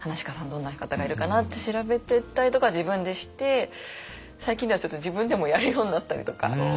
どんな方がいるかなって調べてったりとかは自分でして最近ではちょっと自分でもやるようになったりとか。